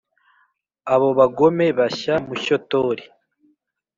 Abo bagome bashya mushyotori